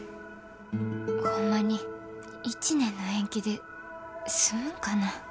ホンマに１年の延期で済むんかなぁ。